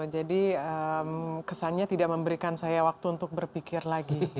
jadi kesannya tidak memberikan saya waktu untuk berpikir lagi